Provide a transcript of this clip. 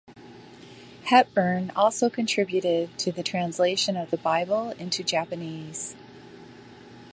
Hepburn also contributed to the translation of the Bible into Japanese.